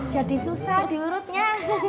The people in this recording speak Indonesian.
jadi susah diurutnya